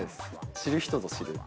知る人ぞ知る。